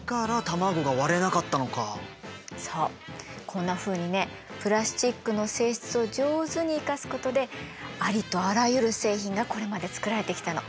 こんなふうにねプラスチックの性質を上手に生かすことでありとあらゆる製品がこれまで作られてきたの。